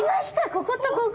こことここ！